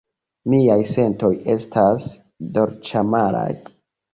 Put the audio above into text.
Miaj sentoj estas dolĉamaraj.